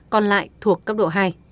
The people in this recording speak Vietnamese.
còn lại thuộc cấp độ hai